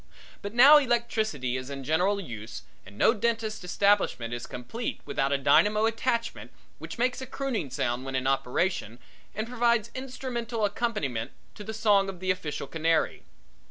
But now electricity is in general use and no dentist's establishment is complete without a dynamo attachment which makes a crooning sound when in operation and provides instrumental accompaniment to the song of the official canary.